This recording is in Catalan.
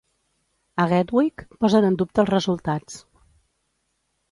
A Gatwick posen en dubte els resultats.